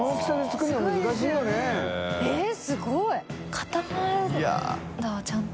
固まるんだちゃんと。